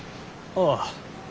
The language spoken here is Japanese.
ああ。